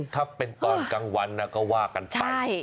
ถ้าเป็นตอนกลางวันก็ว่ากันไป